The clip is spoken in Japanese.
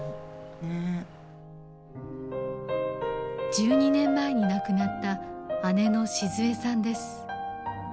１２年前に亡くなった姉の静枝さんです。